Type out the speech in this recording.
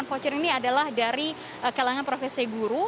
voucher ini adalah dari kalangan profesi guru